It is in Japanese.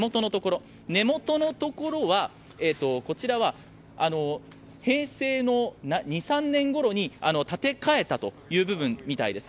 根元のところは平成２３年ごろに建て替えたという部分みたいです。